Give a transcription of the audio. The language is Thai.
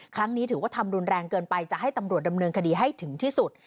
ถือว่าทำรุนแรงเกินไปจะให้ตำรวจดำเนินคดีให้ถึงที่สุด